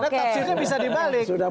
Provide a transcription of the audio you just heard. karena taksirnya bisa dibalik